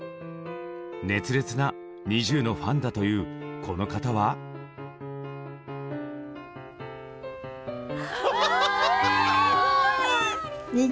熱烈なＮｉｚｉＵのファンだというこの方は。えほんとに？